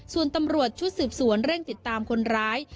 ส่วนตำรวจชุดสืบสวนเร่งติดตามคนร้าย